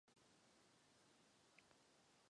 Slouží pak tedy jako řídící mechanismy.